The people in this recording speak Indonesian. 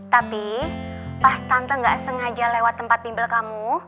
tapi pas tante gak sengaja lewat tempat timbel kamu